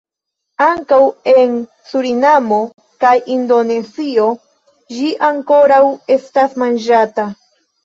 Ankaŭ en Surinamo kaj Indonezio ĝi ankoraŭ estas manĝata.